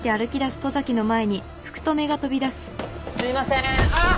すいませんあっ！